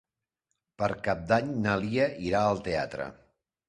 Per Cap d'Any na Lia irà al teatre.